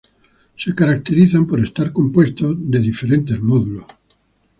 Se caracterizan por estar compuestos por diferentes módulos.